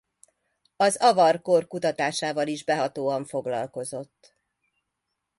Az avar kor kutatásával is behatóan foglalkozott.